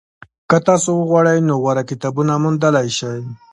که تاسو وغواړئ نو غوره کتابونه موندلی شئ.